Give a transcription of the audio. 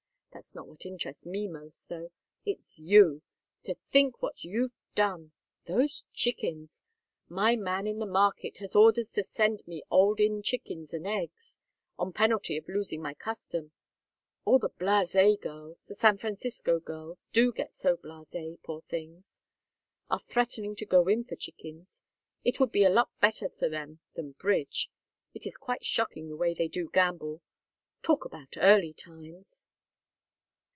That's not what interests me most, though. It's you. To think what you've done! Those chickens! My man in the market has orders to send me Old Inn chickens and eggs, on penalty of losing my custom. All the blasée girls the San Francisco girls do get so blasée, poor things are threatening to go in for chickens. It would be a lot better for them than bridge. It is quite shocking the way they do gamble. Talk about early times!"